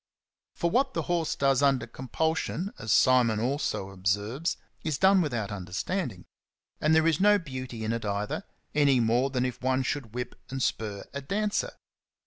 For what the horse does under compulsion, as Simon also observes, is done without understanding ; and there is no beauty in it either, any more than if one should whip and spur a dancer.